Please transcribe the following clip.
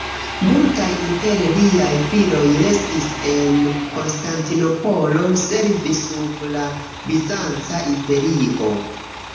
Multaj inter liaj viroj restis en Konstantinopolo servi sub la bizanca imperio.